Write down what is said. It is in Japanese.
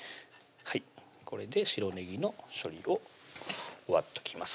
これで白ねぎの処理を終わっときます